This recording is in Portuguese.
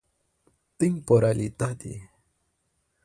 temporalidade